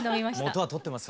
元は取ってます